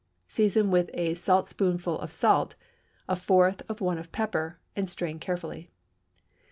Season with a saltspoonful of salt, a fourth of one of pepper, and strain carefully.